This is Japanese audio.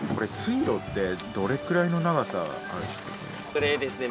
これはですね